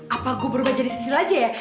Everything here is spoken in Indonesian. apa gue baru aja jadi sisil aja ya